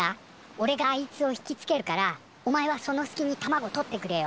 おれがあいつを引きつけるからおまえはそのすきに卵取ってくれよ。